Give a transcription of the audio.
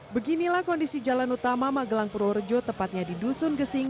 beginilah kondisi jalan utama magelang purworejo tepatnya di dusun gesing